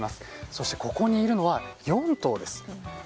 そして、ここにいるのは４頭です。